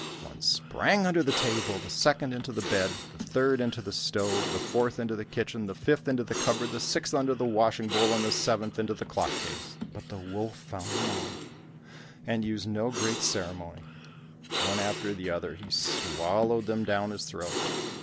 One sprang under the table, the second into the bed, the third into the stove, the fourth into the kitchen, the fifth into the cupboard, the sixth under the washing bowl, and the seventh into the clock case. But the wolf found them all, and used no great ceremony; one after the other he swallowed them down his throat.